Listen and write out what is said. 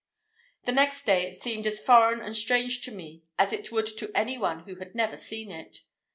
The next day it seemed as foreign and strange to me as it would to any one who had never seen it.